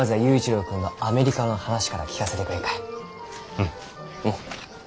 うん。おっ。